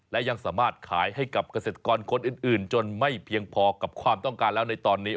และยังสามารถขายให้กับเกษตรกรคนอื่นจนไม่เพียงพอกับความต้องการแล้วในตอนนี้